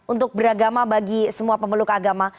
untuk beragama bagi semua pemeluk agama